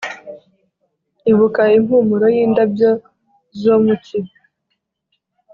ibuka impumuro yindabyo zo mu cyi,